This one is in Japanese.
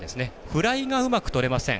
フライがうまくとれません。